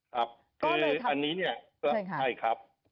ครับนี่เนี่ยใช่ครับ